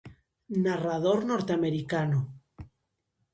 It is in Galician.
Narrador norteamericano.